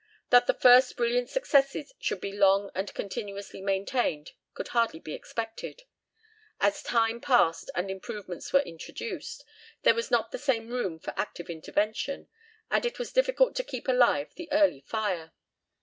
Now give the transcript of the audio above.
That the first brilliant successes should be long and continuously maintained could hardly be expected. As time passed and improvements were introduced, there was not the same room for active intervention, and it was difficult to keep alive the early fire.